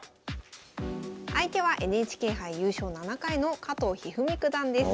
相手はＮＨＫ杯優勝７回の加藤一二三九段です。